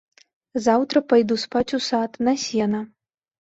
Заўтра пайду спаць у сад, на сена.